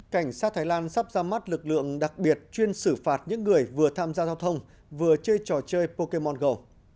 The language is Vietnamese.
cảnh sát thái lan sắp ra mắt lực lượng đặc biệt chuyên xử phạt những người vừa tham gia giao thông vừa chơi trò chơi pokemono